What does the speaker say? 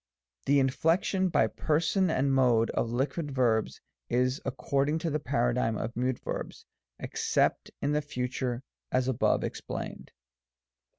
The inflection by person and mode of liquid verbs is ac cording to the paradigm of mute verbs, except in the future, as above explained.